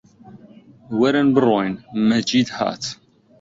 وەرن بڕۆین! مەجید هات